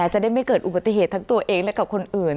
จะได้ไม่เกิดอุบัติเหตุทั้งตัวเองและกับคนอื่น